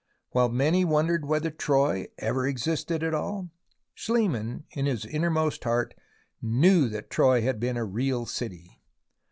While many wondered whether Troy ever existed at all, Schliemann in his innermost heart knew that Troy had been a real city.